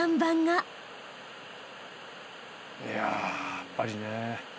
やっぱりね。